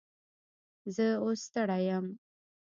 زه اوس ستړی یم